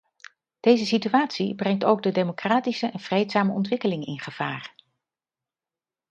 Deze situatie brengt ook de democratische en vreedzame ontwikkeling in gevaar.